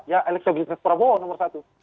ya elektabilitas prabowo nomor satu